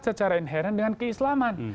secara inheren dengan keislaman